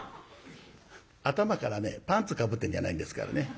頭からねパンツかぶってんじゃないんですからね。